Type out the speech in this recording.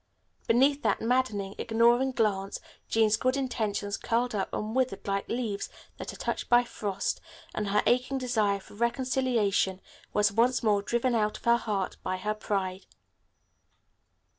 Beneath that maddening, ignoring glance Jean's good intentions curled up and withered like leaves that are touched by frost, and her aching desire for reconciliation was once more driven out of her heart by her pride.